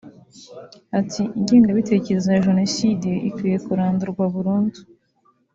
Ati “Ingengabitekerezo ya Jenoside ikwiye kurandurwa burundu